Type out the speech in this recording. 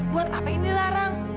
buat apa ini dilarang